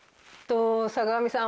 坂上さん